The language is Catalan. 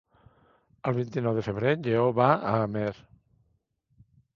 El vint-i-nou de febrer en Lleó va a Amer.